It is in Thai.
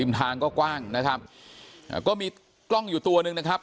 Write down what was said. ทางก็กว้างนะครับอ่าก็มีกล้องอยู่ตัวหนึ่งนะครับ